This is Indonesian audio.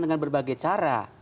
dengan berbagai cara